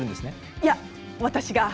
いえ、私が。